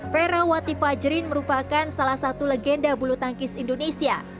ferawati fajrin merupakan salah satu legenda bulu tangkis indonesia